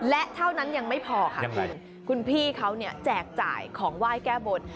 และเท่านั้นยังไม่พอค่ะคุณพี่เขาเนี่ยแจกจ่ายของไหว้แก้บน